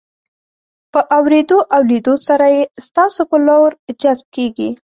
په اورېدو او لیدو سره یې ستاسو په لور جذب کیږي.